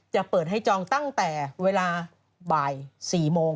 จะเปิดให้จองตั้งแต่เวลาบ่าย๔โมง